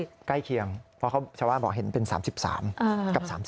ใกล้เคียงเพราะชาวบ้านบอกเห็นเป็น๓๓กับ๓๓